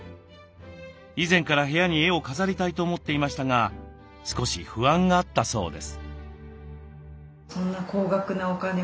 以前から部屋に絵を飾りたいと思っていましたが少し不安があったそうです。